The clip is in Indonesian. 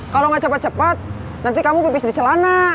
kalau gak cepat cepat nanti kamu pipis di celana